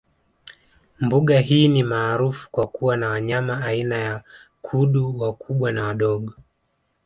Mbuga hii ni maarufu kwa kuwa na wanyama aina ya Kudu wakubwa na wadogo